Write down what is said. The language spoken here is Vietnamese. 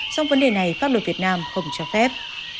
trong vấn đề này pháp luật việt nam không cho phép